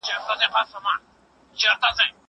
زه به سبا لوښي وچوم وم!!